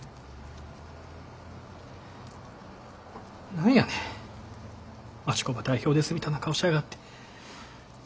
何やねん町工場代表ですみたいな顔しやがって。